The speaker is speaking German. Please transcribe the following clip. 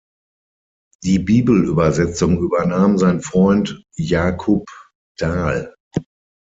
Die Bibelübersetzung übernahm sein Freund Jákup Dahl.